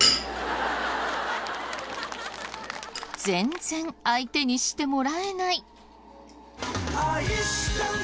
全然相手にしてもらえない。